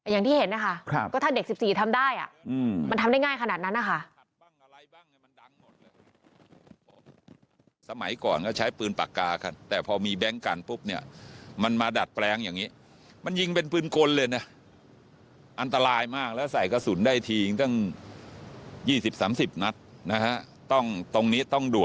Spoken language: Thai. อย่างที่เห็นนะคะก็ถ้าเด็ก๑๔ทำได้